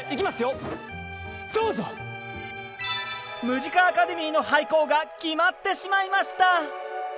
ムジカ・アカデミーの廃校が決まってしまいました！